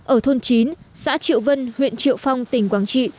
ở thôn chín xã triệu vân huyện triệu phong tỉnh quảng trị